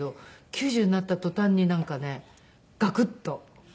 ９０になった途端になんかねガクッと。